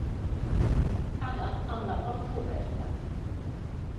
Ara amb la porta oberta.